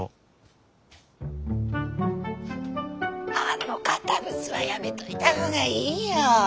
あの堅物はやめといた方がいいよ。